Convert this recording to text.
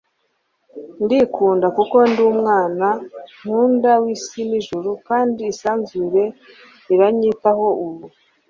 ndikunda kuko ndi umwana nkunda w'isi n'ijuru kandi isanzure iranyitaho ubu